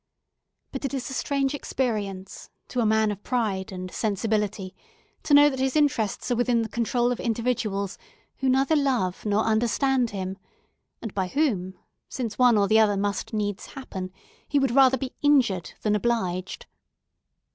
But it is a strange experience, to a man of pride and sensibility, to know that his interests are within the control of individuals who neither love nor understand him, and by whom, since one or the other must needs happen, he would rather be injured than obliged.